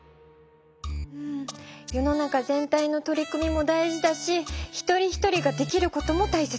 世の中全体の取り組みも大事だし一人一人ができることも大切。